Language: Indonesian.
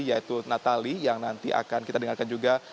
yaitu natali yang nanti akan kita dengarkan juga